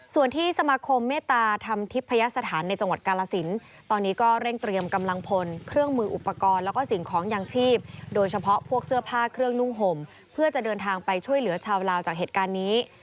ส่วนที่สมาคมเมตตาธรรมทิพยสถานในจังหวัดกาลสินตอนนี้ก็เร่งเตรียมกำลังพลเครื่องมืออุปกรณ์แล้วก็สิ่งของยางชีพโดยเฉพาะพวกเสื้อผ้าเครื่องนุ่งห่มเพื่อจะเดินทางไปช่วยเหลือชาวลาวจากเหตุการณ์นี้